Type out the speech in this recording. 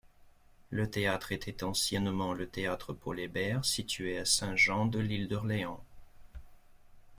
Le théâtre était anciennement le Théâtre Paul-Hébert, situé à Saint-Jean-de-l'Île-d'Orléans.